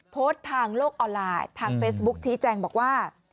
โพสต์ทางโลกออนไลน์ทางเฟซบุ๊คชี้แจงบอกว่า